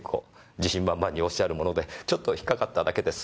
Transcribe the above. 自信満々におっしゃるものでちょっと引っ掛かっただけです。